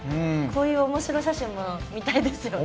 こういうおもしろ写真も見たいですよね。